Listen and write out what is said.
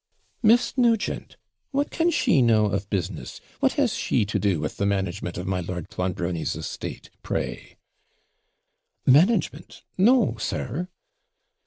'Miss Nugent! what can she know of business? What has she to do with the management of my Lord Clonbrony's estate, pray?' 'Management! no, sir.'